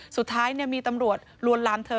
สุดท้ายมีตำรวจลวนลามเธอ